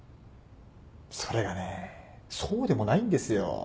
それがねぇそうでもないんですよ。